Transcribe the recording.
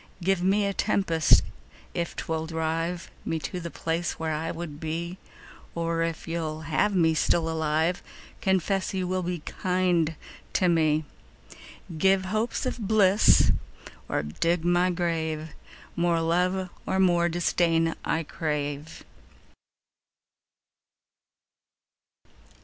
Give me a tempest if 'twill drive Me to the place where I would be; Or if you'll have me still alive, Confess you will be kind to me. 10 Give hopes of bliss or dig my grave: More love or more disdain I crave.